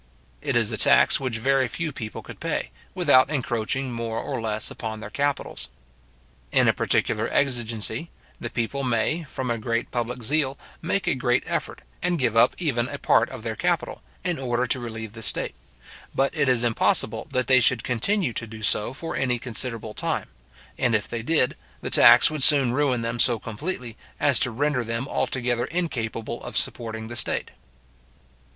It is a tax which very few people could pay, without encroaching more or less upon their capitals. In a particular exigency, the people may, from great public zeal, make a great effort, and give up even a part of their capital, in order to relieve the state. But it is impossible that they should continue to do so for any considerable time; and if they did, the tax would soon ruin them so completely, as to render them altogether incapable of supporting the state.